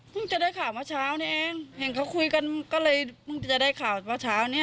จะได้ข่าวเมื่อเช้านี้เองเห็นเขาคุยกันก็เลยเพิ่งจะได้ข่าวว่าเช้านี้